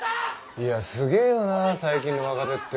いやすげえよな最近の若手って。